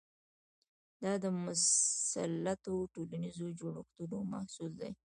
دا د مسلطو ټولنیزو جوړښتونو محصول دی.